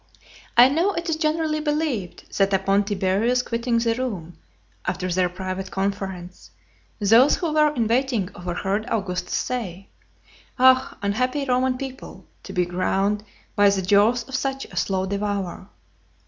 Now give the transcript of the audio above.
I know, it is generally believed, that upon Tiberius's quitting the room, after their private conference, those who were in waiting overheard Augustus say, "Ah! unhappy Roman people, to be ground by the jaws of such a slow devourer!"